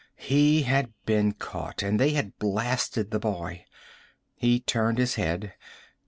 He had been caught. And they had blasted the boy. He turned his head.